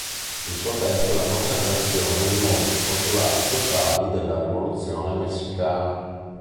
Il suo testo è la consacrazione di molti postulati sociali della Rivoluzione Messicana.